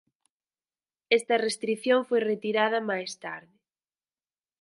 Esta restrición foi retirada máis tarde.